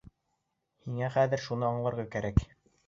Һиңә хәҙер шуны аңларға кәрәк.